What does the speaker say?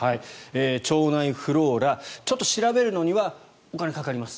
腸内フローラちょっと調べるのにはお金がかかります。